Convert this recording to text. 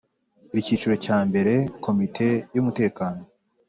Icyiciro cya mbere Komite y Umutekano